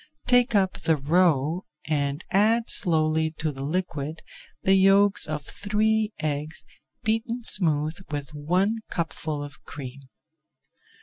Take up the roe and add slowly to the liquid the yolks of three eggs beaten smooth with one cupful of cream.